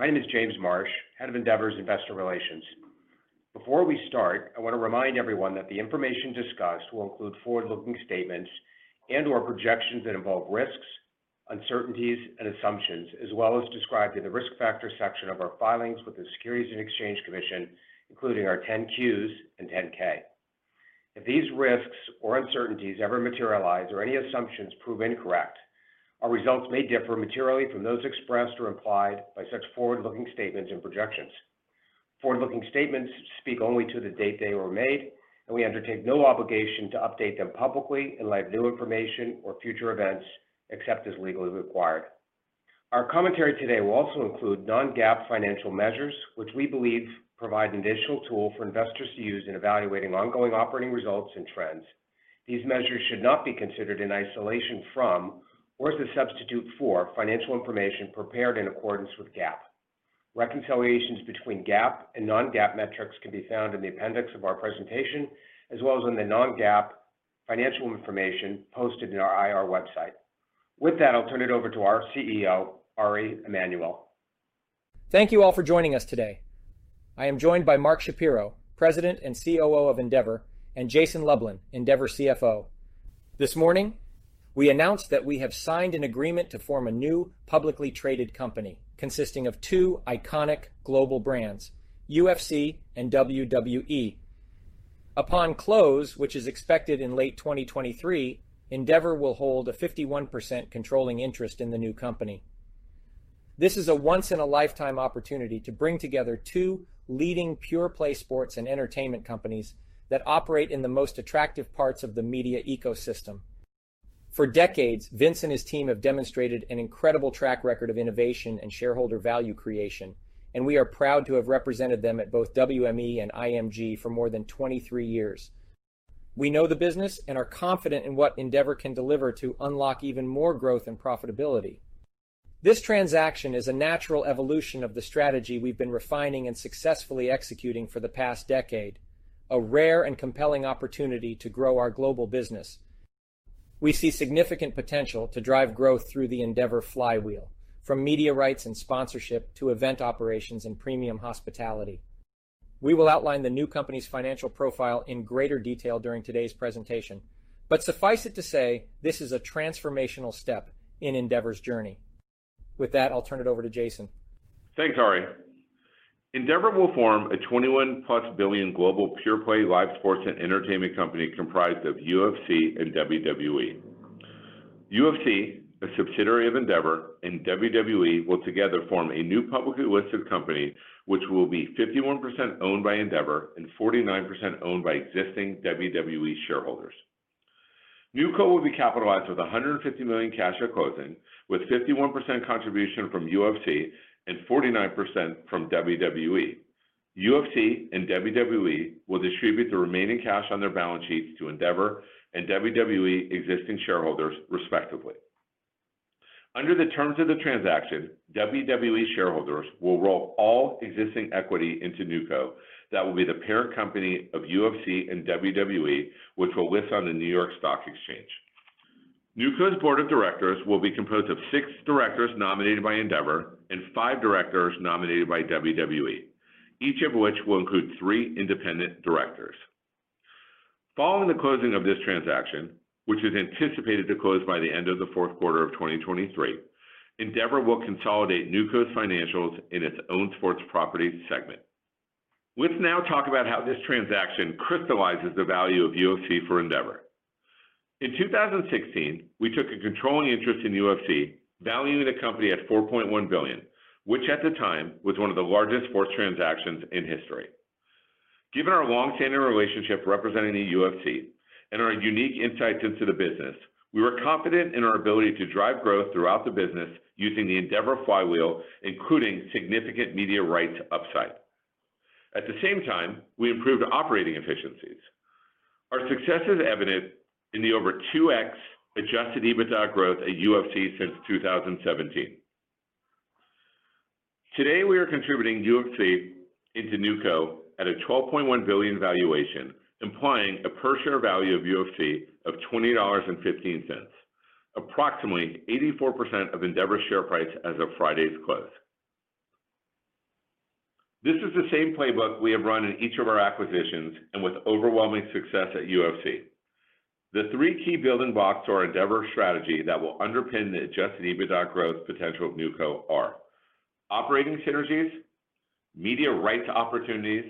Morning. My name is James Marsh, Head of Endeavor's Investor Relations. Before we start, I want to remind everyone that the information discussed will include forward-looking statements and/or projections that involve risks, uncertainties, and assumptions, as well as described in the Risk Factors section of our filings with the Securities and Exchange Commission, including our 10-Qs and 10-K. If these risks or uncertainties ever materialize or any assumptions prove incorrect, our results may differ materially from those expressed or implied by such forward-looking statements and projections. Forward-looking statements speak only to the date they were made, and we undertake no obligation to update them publicly in light of new information or future events, except as legally required. Our commentary today will also include non-GAAP financial measures, which we believe provide an additional tool for investors to use in evaluating ongoing operating results and trends. These measures should not be considered in isolation from or as a substitute for financial information prepared in accordance with GAAP. Reconciliations between GAAP and non-GAAP metrics can be found in the appendix of our presentation, as well as in the non-GAAP financial information posted in our IR website. With that, I'll turn it over to our CEO, Ari Emanuel. Thank you all for joining us today. I am joined by Mark Shapiro, President and COO of Endeavor, and Jason Lublin, Endeavor CFO. This morning, we announced that we have signed an agreement to form a new publicly traded company consisting of two iconic global brands, UFC and WWE. Upon close, which is expected in late 2023, Endeavor will hold a 51% controlling interest in the new company. This is a once in a lifetime opportunity to bring together two leading pure play sports and entertainment companies that operate in the most attractive parts of the media ecosystem. For decades, Vince and his team have demonstrated an incredible track record of innovation and shareholder value creation, and we are proud to have represented them at both WME and IMG for more than 23 years. We know the business and are confident in what Endeavor can deliver to unlock even more growth and profitability. This transaction is a natural evolution of the strategy we've been refining and successfully executing for the past decade, a rare and compelling opportunity to grow our global business. We see significant potential to drive growth through the Endeavor Flywheel from media rights and sponsorship to event operations and premium hospitality. Suffice it to say, this is a transformational step in Endeavor's journey. With that, I'll turn it over to Jason. Thanks, Ari. Endeavor will form a $21+ billion global pure play live sports and entertainment company comprised of UFC and WWE. UFC, a subsidiary of Endeavor, and WWE will together form a new publicly listed company, which will be 51% owned by Endeavor and 49% owned by existing WWE shareholders. NewCo will be capitalized with $150 million cash at closing, with 51% contribution from UFC and 49% from WWE. UFC and WWE will distribute the remaining cash on their balance sheets to Endeavor and WWE existing shareholders, respectively. Under the terms of the transaction, WWE shareholders will roll all existing equity into NewCo. That will be the parent company of UFC and WWE, which will list on the New York Stock Exchange. NewCo's Board of Directors will be composed of six Directors nominated by Endeavor and five Directors nominated by WWE, each of which will include three Independent Directors. Following the closing of this transaction, which is anticipated to close by the end of the fourth quarter of 2023, Endeavor will consolidate NewCo's financials in its Owned Sports Properties segment. Let's now talk about how this transaction crystallizes the value of UFC for Endeavor. In 2016, we took a controlling interest in UFC, valuing the company at $4.1 billion, which at the time was one of the largest sports transactions in history. Given our long-standing relationship representing the UFC and our unique insights into the business, we were confident in our ability to drive growth throughout the business using the Endeavor Flywheel, including significant media rights upside. At the same time, we improved operating efficiencies. Our success is evident in the over 2x Adjusted EBITDA growth at UFC since 2017. Today, we are contributing UFC into NewCo at a $12.1 billion valuation, implying a per share value of UFC of $20.15, approximately 84% of Endeavor's share price as of Friday's close. This is the same playbook we have run in each of our acquisitions and with overwhelming success at UFC. The three key building blocks to our Endeavor strategy that will underpin the Adjusted EBITDA growth potential of NewCo are operating synergies, media rights opportunities,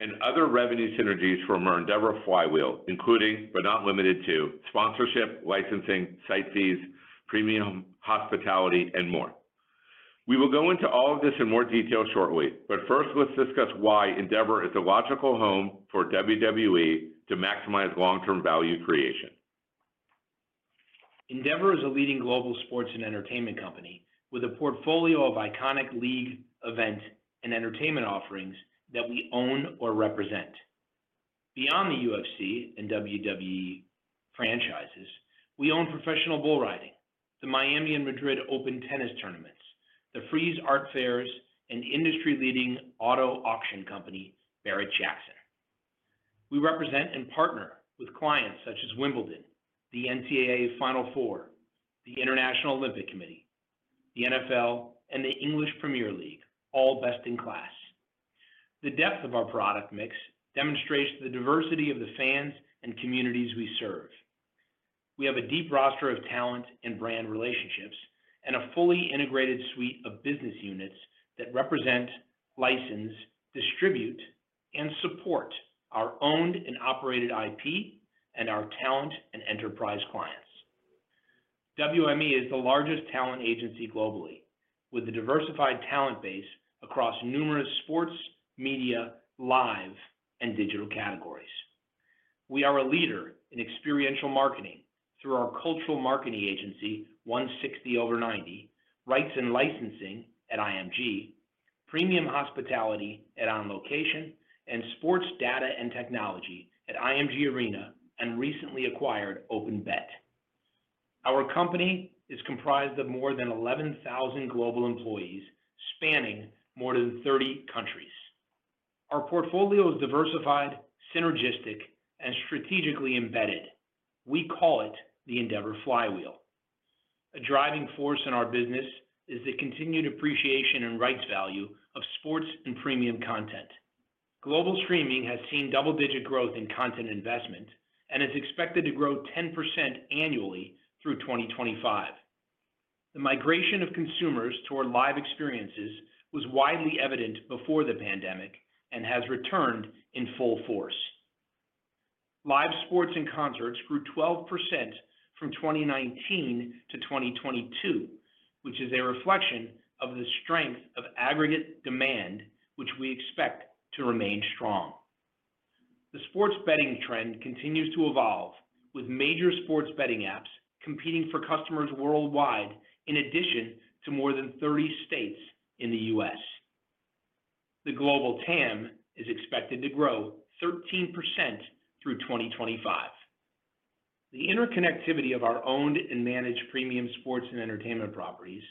and other revenue synergies from our Endeavor Flywheel, including but not limited to sponsorship, licensing, site fees, premium hospitality, and more. We will go into all of this in more detail shortly. First, let's discuss why Endeavor is the logical home for WWE to maximize long-term value creation. Endeavor is a leading global sports and entertainment company with a portfolio of iconic league, event, and entertainment offerings that we own or represent. Beyond the UFC and WWE franchises, we own Professional Bull Riders, the Miami Open and Madrid Open tennis tournaments, the Frieze art fairs, and industry-leading auto auction company, Barrett-Jackson. We represent and partner with clients such as Wimbledon, the NCAA Final Four, the International Olympic Committee, the NFL, and the English Premier League, all best in class. The depth of our product mix demonstrates the diversity of the fans and communities we serve. We have a deep roster of talent and brand relationships and a fully integrated suite of business units that represent, license, distribute, and support our owned and operated IP and our talent and enterprise clients. WME is the largest talent agency globally with a diversified talent base across numerous sports, media, live, and digital categories. We are a leader in experiential marketing through our cultural marketing agency, 160over90, rights and licensing at IMG, premium hospitality at On Location, and sports data and technology at IMG ARENA and recently acquired OpenBet. Our company is comprised of more than 11,000 global employees spanning more than 30 countries. Our portfolio is diversified, synergistic, and strategically embedded. We call it the Endeavor Flywheel. A driving force in our business is the continued appreciation and rights value of sports and premium content. Global streaming has seen double-digit growth in content investment and is expected to grow 10% annually through 2025. The migration of consumers toward live experiences was widely evident before the pandemic and has returned in full force. Live sports and concerts grew 12% from 2019-2022, which is a reflection of the strength of aggregate demand, which we expect to remain strong. The sports betting trend continues to evolve with major sports betting apps competing for customers worldwide in addition to more than 30 states in the U.S. The global TAM is expected to grow 13% through 2025. The interconnectivity of our owned and managed premium sports and entertainment properties,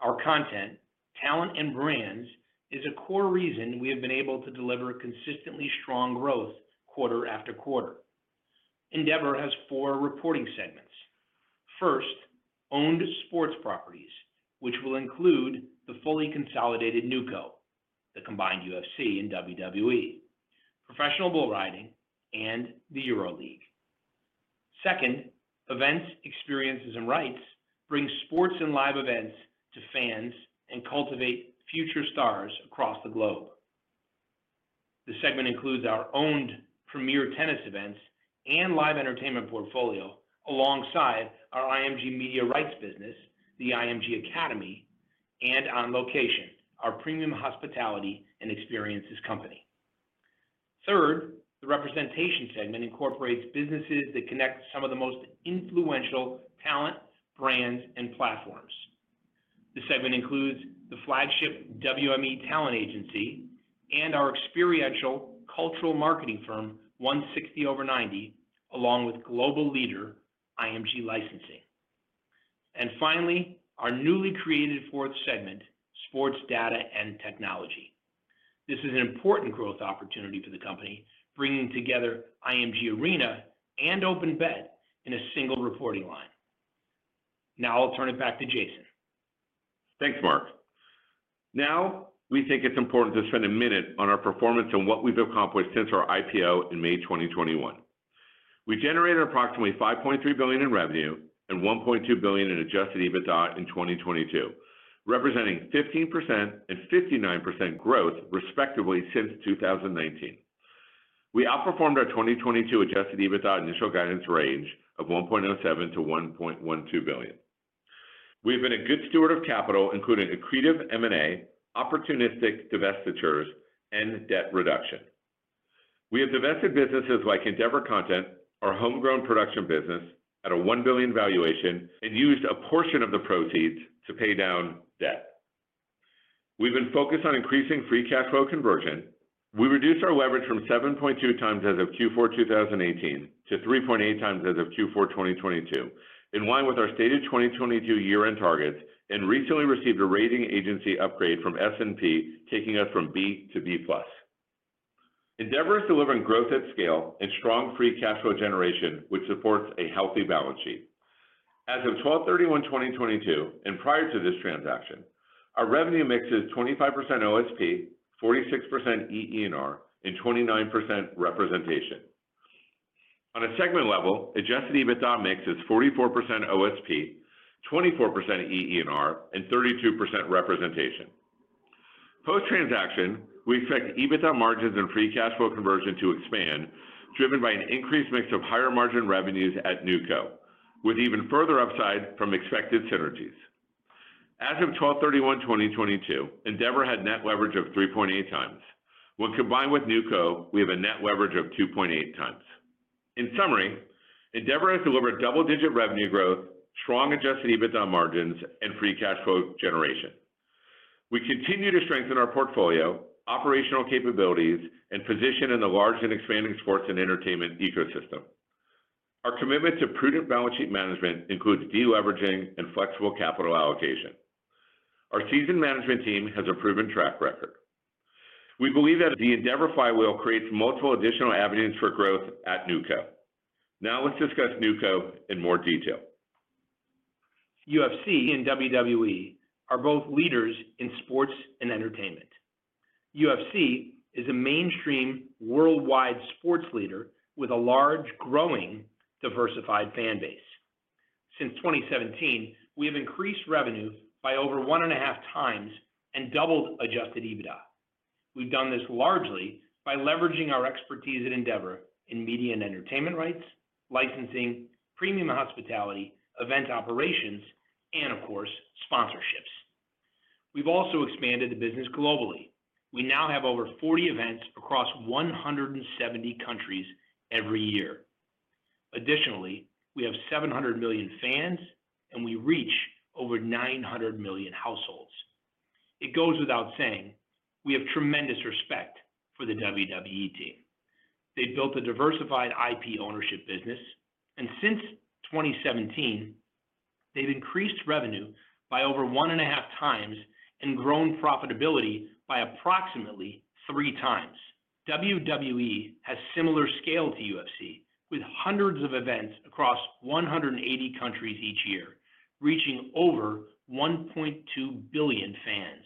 our content, talent, and brands is a core reason we have been able to deliver consistently strong growth quarter after quarter. Endeavor has four reporting segments. First, Owned Sports Properties, which will include the fully consolidated NewCo, the combined UFC and WWE, Professional Bull Riders, and the EuroLeague. Second, Events, Experiences & Rights brings sports and live events to fans and cultivate future stars across the globe. This segment includes our owned premier tennis events and live entertainment portfolio alongside our IMG Media, the IMG Academy, and On Location, our premium hospitality and experiences company. Third, the Representation segment incorporates businesses that connect some of the most influential talent, brands, and platforms. This segment includes the flagship WME talent agency and our experiential cultural marketing firm, 160over90, along with global leader IMG Licensing. Finally, our newly created fourth segment, Sports Data & Technology. This is an important growth opportunity for the company, bringing together IMG ARENA and OpenBet in a single reporting line. Now I'll turn it back to Jason. Thanks, Mark. We think it's important to spend a minute on our performance and what we've accomplished since our IPO in May 2021. We generated approximately $5.3 billion in revenue and $1.2 billion in Adjusted EBITDA in 2022, representing 15% and 59% growth, respectively, since 2019. We outperformed our 2022 Adjusted EBITDA initial guidance range of $1.07 billion-$1.12 billion. We have been a good steward of capital, including accretive M&A, opportunistic divestitures, and debt reduction. We have divested businesses like Endeavor Content, our homegrown production business, at a $1 billion valuation and used a portion of the proceeds to pay down debt. We've been focused on increasing free cash flow conversion. We reduced our leverage from 7.2x as of Q4 2018 to 3.8x as of Q4 2022, in line with our stated 2022 year-end targets and recently received a rating agency upgrade from S&P, taking us from B to B+. Endeavor is delivering growth at scale and strong free cash flow generation, which supports a healthy balance sheet. As of 12/31/2022, and prior to this transaction, our revenue mix is 25% OSP, 46% EENR, and 29% Representation. On a segment level, Adjusted EBITDA mix is 44% OSP, 24% EENR, and 32% Representation. Post-transaction, we expect EBITDA margins and free cash flow conversion to expand, driven by an increased mix of higher-margin revenues at NewCo, with even further upside from expected synergies. As of 12/31/2022, Endeavor had net leverage of 3.8x. When combined with NewCo, we have a net leverage of 2.8x. In summary, Endeavor has delivered double-digit revenue growth, strong Adjusted EBITDA margins, and free cash flow generation. We continue to strengthen our portfolio, operational capabilities, and position in the large and expanding sports and entertainment ecosystem. Our commitment to prudent balance sheet management includes deleveraging and flexible capital allocation. Our seasoned management team has a proven track record. We believe that the Endeavor Flywheel creates multiple additional avenues for growth at NewCo. Let's discuss NewCo in more detail. UFC and WWE are both leaders in sports and entertainment. UFC is a mainstream worldwide sports leader with a large, growing, diversified fan base. Since 2017, we have increased revenue by over 1.5x and doubled Adjusted EBITDA. We've done this largely by leveraging our expertise at Endeavor in media and entertainment rights, licensing, premium hospitality, event operations, and of course, sponsorships. We've also expanded the business globally. We now have over 40 events across 170 countries every year. We have 700 million fans, and we reach over 900 million households. It goes without saying, we have tremendous respect for the WWE team. They've built a diversified IP ownership business. Since 2017, they've increased revenue by over 1.5x and grown profitability by approximately 3x. WWE has similar scale to UFC, with hundreds of events across 180 countries each year, reaching over 1.2 billion fans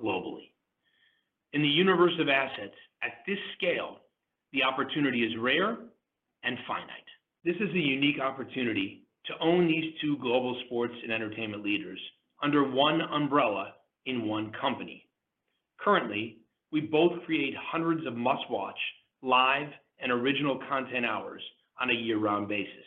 globally. In the universe of assets at this scale, the opportunity is rare and finite. This is a unique opportunity to own these two global sports and entertainment leaders under one umbrella in one company. Currently, we both create hundreds of must-watch live and original content hours on a year-round basis.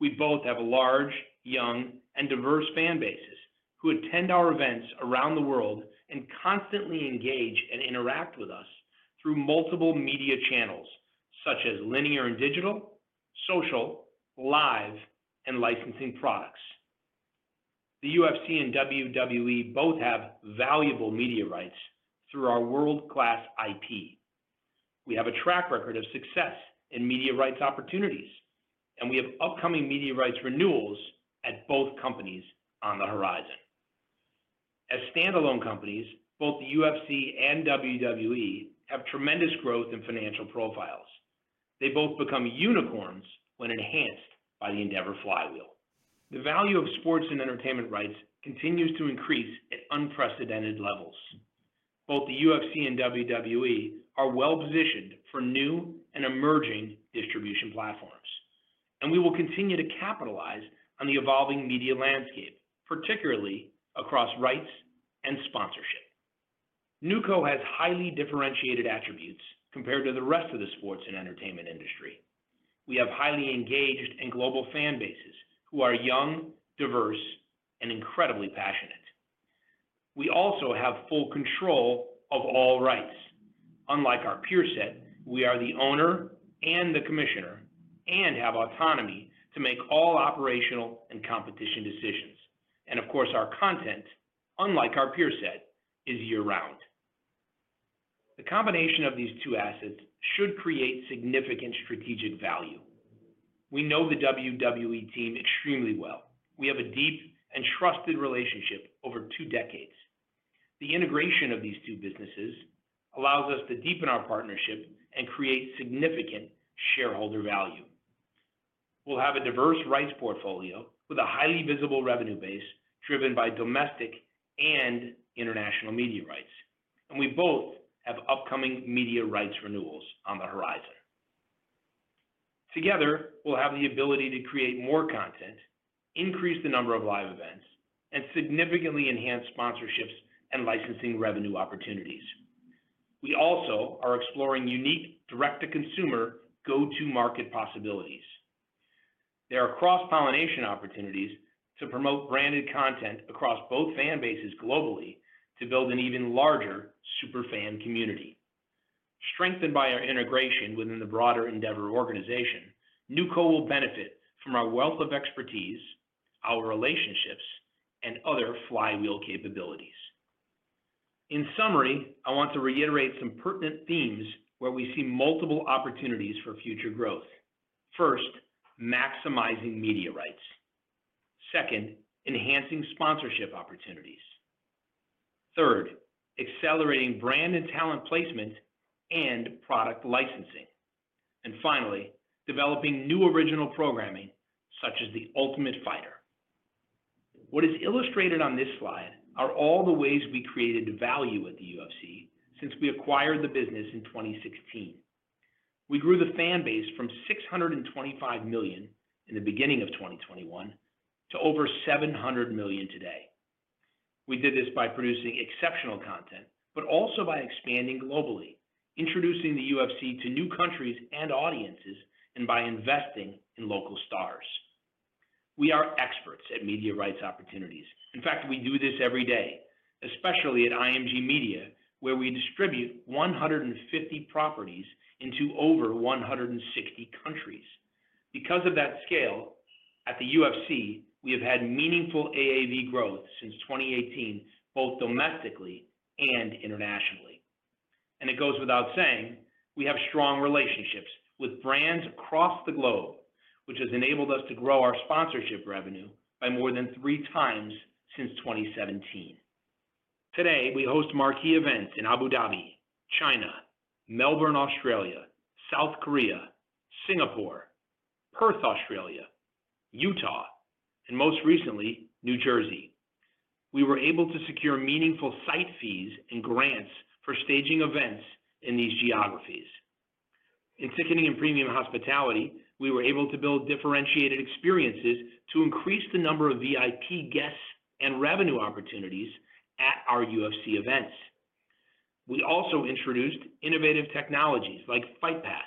We both have large, young, and diverse fan bases who attend our events around the world and constantly engage and interact with us through multiple media channels such as linear and digital, social, live, and licensing products. The UFC and WWE both have valuable media rights through our world-class IP. We have a track record of success in media rights opportunities, and we have upcoming media rights renewals at both companies on the horizon. As standalone companies, both the UFC and WWE have tremendous growth in financial profiles. They both become unicorns when enhanced by the Endeavor Flywheel. The value of sports and entertainment rights continues to increase at unprecedented levels. Both the UFC and WWE are well-positioned for new and emerging distribution platforms, and we will continue to capitalize on the evolving media landscape, particularly across rights and sponsorship. NewCo has highly differentiated attributes compared to the rest of the sports and entertainment industry. We have highly engaged and global fan bases who are young, diverse, and incredibly passionate. We also have full control of all rights. Unlike our peer set, we are the owner and the commissioner and have autonomy to make all operational and competition decisions. Of course, our content, unlike our peer set, is year-round. The combination of these two assets should create significant strategic value. We know the WWE team extremely well. We have a deep and trusted relationship over two decades. The integration of these two businesses allows us to deepen our partnership and create significant shareholder value. We'll have a diverse rights portfolio with a highly visible revenue base driven by domestic and international media rights, and we both have upcoming media rights renewals on the horizon. Together, we'll have the ability to create more content, increase the number of live events, and significantly enhance sponsorships and licensing revenue opportunities. We also are exploring unique direct-to-consumer go-to-market possibilities. There are cross-pollination opportunities to promote branded content across both fan bases globally to build an even larger super fan community. Strengthened by our integration within the broader Endeavor organization, NewCo will benefit from our wealth of expertise, our relationships, and other flywheel capabilities. In summary, I want to reiterate some pertinent themes where we see multiple opportunities for future growth. First, maximizing media rights. Second, enhancing sponsorship opportunities. Third, accelerating brand and talent placement and product licensing. Finally, developing new original programming such as The Ultimate Fighter. What is illustrated on this slide are all the ways we created value at the UFC since we acquired the business in 2016. We grew the fan base from 625 million in the beginning of 2021 to over 700 million today. We did this by producing exceptional content, but also by expanding globally, introducing the UFC to new countries and audiences, and by investing in local stars. We are experts at media rights opportunities. In fact, we do this every day, especially at IMG Media, where we distribute 150 properties into over 160 countries. Because of that scale at the UFC, we have had meaningful AAV growth since 2018, both domestically and internationally. It goes without saying, we have strong relationships with brands across the globe, which has enabled us to grow our sponsorship revenue by more than 3x since 2017. Today, we host marquee events in Abu Dhabi, China, Melbourne, Australia, South Korea, Singapore, Perth, Australia, Utah, and most recently, New Jersey. We were able to secure meaningful site fees and grants for staging events in these geographies. In ticketing and premium hospitality, we were able to build differentiated experiences to increase the number of VIP guests and revenue opportunities at our UFC events. We also introduced innovative technologies like Fight Pass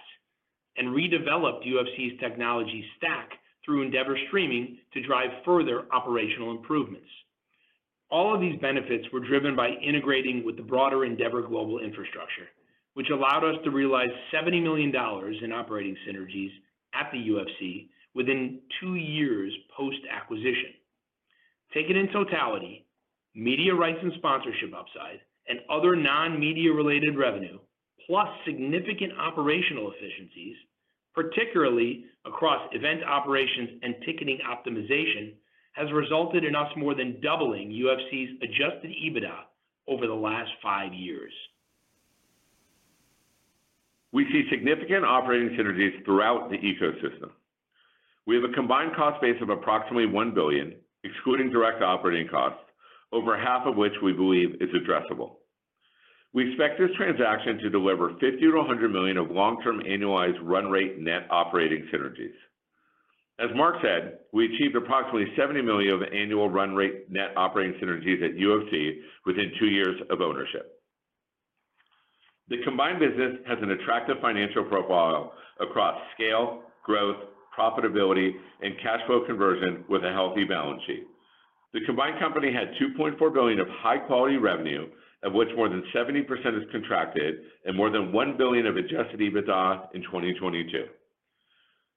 and redeveloped UFC's technology stack through Endeavor Streaming to drive further operational improvements. All of these benefits were driven by integrating with the broader Endeavor global infrastructure, which allowed us to realize $70 million in operating synergies at the UFC within two years post-acquisition. Taken in totality, media rights and sponsorship upside and other non-media related revenue, plus significant operational efficiencies, particularly across event operations and ticketing optimization, has resulted in us more than doubling UFC's Adjusted EBITDA over the last five years. We see significant operating synergies throughout the ecosystem. We have a combined cost base of approximately $1 billion, excluding direct operating costs, over half of which we believe is addressable. We expect this transaction to deliver $50 million-$100 million of long-term annualized run rate net operating synergies. As Mark said, we achieved approximately $70 million of annual run rate net operating synergies at UFC within two years of ownership. The combined business has an attractive financial profile across scale, growth, profitability, and cash flow conversion with a healthy balance sheet. The combined company had $2.4 billion of high-quality revenue, of which more than 70% is contracted, and more than $1 billion of Adjusted EBITDA in 2022.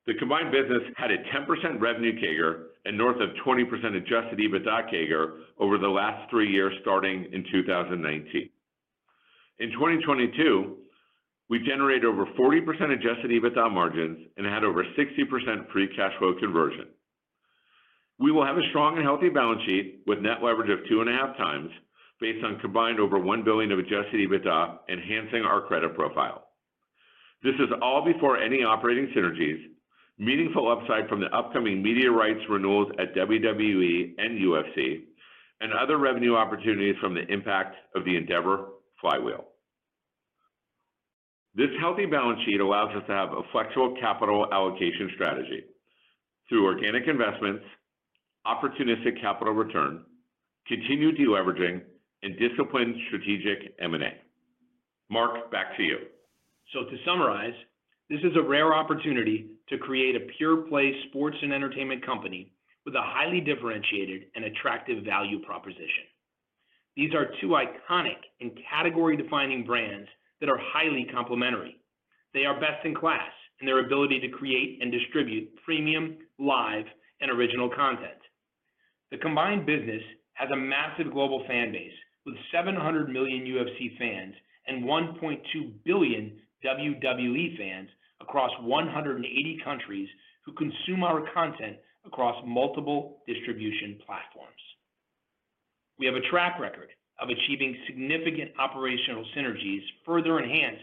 The combined business had a 10% revenue CAGR and north of 20% Adjusted EBITDA CAGR over the last three years starting in 2019. In 2022, we generated over 40% Adjusted EBITDA margins and had over 60% free cash flow conversion. We will have a strong and healthy balance sheet with net leverage of 2.5x based on combined over $1 billion of Adjusted EBITDA, enhancing our credit profile. This is all before any operating synergies, meaningful upside from the upcoming media rights renewals at WWE and UFC, and other revenue opportunities from the impact of the Endeavor Flywheel. This healthy balance sheet allows us to have a flexible capital allocation strategy through organic investments, opportunistic capital return, continued deleveraging, and disciplined strategic M&A. Mark, back to you. To summarize, this is a rare opportunity to create a pure-play sports and entertainment company with a highly differentiated and attractive value proposition. These are two iconic and category-defining brands that are highly complementary. They are best in class in their ability to create and distribute premium, live, and original content. The combined business has a massive global fan base with 700 million UFC fans and 1.2 billion WWE fans across 180 countries who consume our content across multiple distribution platforms. We have a track record of achieving significant operational synergies further enhanced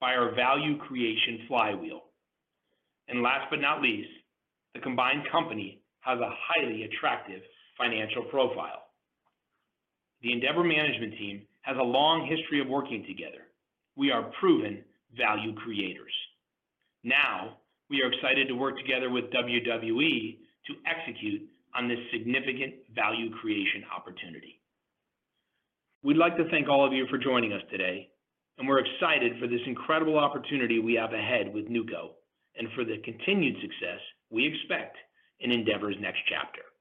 by our value creation flywheel. Last but not least, the combined company has a highly attractive financial profile. The Endeavor management team has a long history of working together. We are proven value creators. We are excited to work together with WWE to execute on this significant value creation opportunity. We'd like to thank all of you for joining us today, and we're excited for this incredible opportunity we have ahead with NewCo and for the continued success we expect in Endeavor's next chapter.